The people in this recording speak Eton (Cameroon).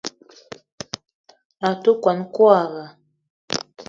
A te kwuan kwagra.